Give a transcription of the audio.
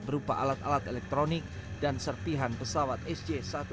berupa alat alat elektronik dan serpihan pesawat sj satu ratus delapan puluh dua